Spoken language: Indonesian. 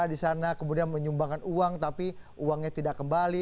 di sana kemudian menyumbangkan uang tapi uangnya tidak kembali